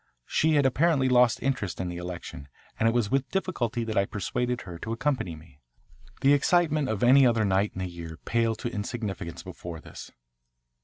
She had apparently lost interest in the election, and it was with difficulty that I persuaded her to accompany me. The excitement of any other night in the year paled to insignificance before this.